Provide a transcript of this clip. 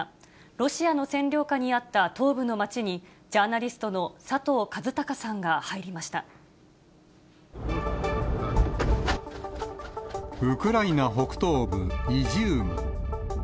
ロシアの占領下にあった東部の町に、ジャーナリストの佐藤和孝さウクライナ北東部イジューム。